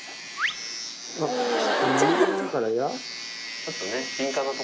ちょっとね。